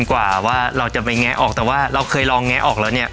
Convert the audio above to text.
กว่าว่าเราจะไปแงะออกแต่ว่าเราเคยลองแงะออกแล้วเนี่ย